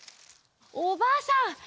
おばあさん